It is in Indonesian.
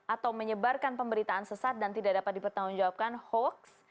atau menyebarkan pemberitaan sesat dan tidak dapat dipertanggungjawabkan hoax